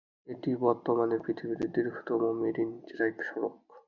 এটি বর্তমানে পৃথিবীর দীর্ঘতম মেরিন ড্রাইভ সড়ক।